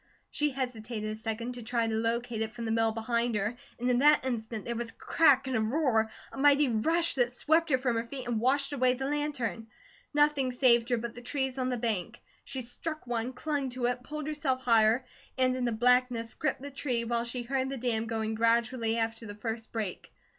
She hesitated a second to try to locate it from the mill behind her; and in that instant there was a crack and a roar, a mighty rush that swept her from her feet and washed away the lantern. Nothing saved her but the trees on the bank. She struck one, clung to it, pulled herself higher, and in the blackness gripped the tree, while she heard the dam going gradually after the first break.